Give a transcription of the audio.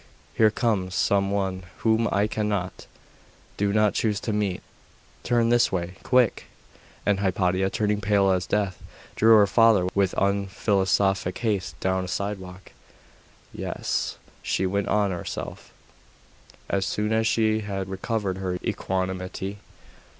here comes some one whom I cannot do not choose to meet. Turn this way quick!' And Hypatia, turning pale as death, drew her father with unphilosophic haste down a side walk. 'Yes,' she went on to herself, as soon as she had recovered her equanimity.